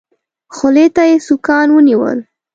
خولې ته يې سوکان ونيول.